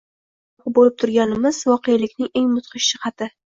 biz guvohi bo‘lib turganimiz voqelikning eng mudhish jihati